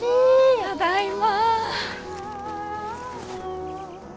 ただいま。